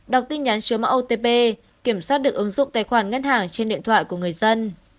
đọc tin nhắn chứa mã otp kiểm soát được ứng dụng tài khoản ngân hàng trên điện thoại của người dân